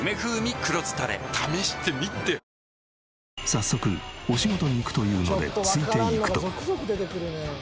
早速お仕事に行くというのでついていくと。